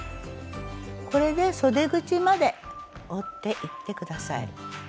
これでそで口まで折っていって下さい。